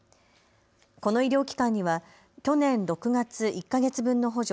この医療機関には去年６月、１か月分の補助